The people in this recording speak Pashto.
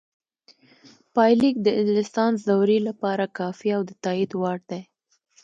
پایلیک د لیسانس دورې لپاره کافي او د تائید وړ دی